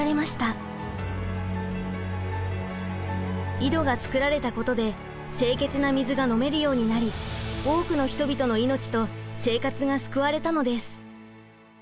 井戸が造られたことで清潔な水が飲めるようになり多くの人々の命と生活が救われたのです。